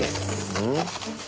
うん？